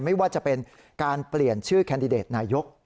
ไม่ว่าจะเป็นการเปลี่ยนชื่อแคนดิเดตนายก